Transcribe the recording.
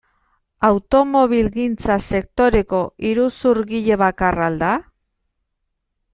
Automobilgintza sektoreko iruzurgile bakarra al da?